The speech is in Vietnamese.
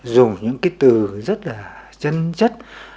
dùng những cái từ rất là chân chất